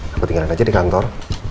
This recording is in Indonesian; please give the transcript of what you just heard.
aku tinggalin aja di kantor